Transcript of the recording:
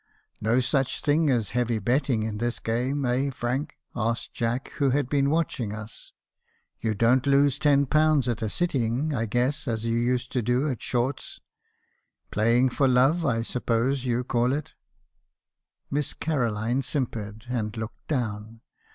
"'No such thing as heavy betting in this game, eh Frank?' asked Jack, who had been watching us. 'You don't lose ten pounds at a sitting, I guess, as you used to do at Short's. Play ing for love , I suppose you call it.' "Miss Caroline simpered, and looked down.